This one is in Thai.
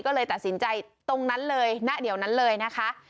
ก็เลยตัดสินใจตรงนั้นเลยณเดี๋ยวนั้นเลยนะคะ